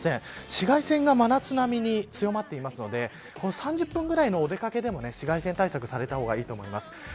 紫外線が真夏並みに強まっているので３０分ぐらいのお出掛けでも紫外線対策された方がいいと思います。